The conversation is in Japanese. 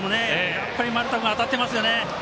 やっぱり丸田君当たってますよね。